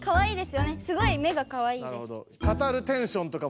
すごい目がかわいいです。